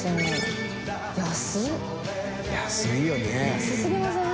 安すぎません？